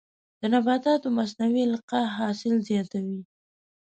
د نباتاتو مصنوعي القاح حاصل زیاتوي.